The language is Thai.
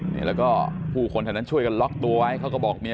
นี่แล้วก็ผู้คนแถวนั้นช่วยกันล็อกตัวไว้เขาก็บอกเมีย